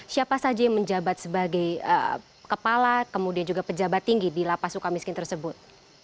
siapa saja yang menjabat sebagai kepala kemudian juga pejabat tinggi di lapas suka miskin tersebut